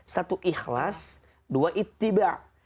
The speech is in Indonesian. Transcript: satu ikhlas dua ittiba